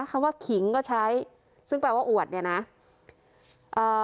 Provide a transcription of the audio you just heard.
คำว่าขิงก็ใช้ซึ่งแปลว่าอวดเนี่ยนะเอ่อ